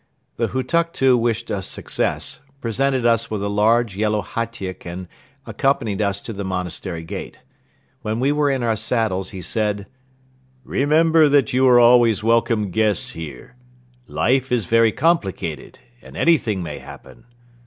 The Hutuktu wished us success, presented us with a large yellow hatyk and accompanied us to the monastery gate. When we were in our saddles he said: "Remember that you are always welcome guests here. Life is very complicated and anything may happen.